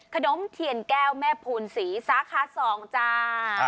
ขนมเทียนแก้วแม่ภูนสีสาขาสองจ้าเออ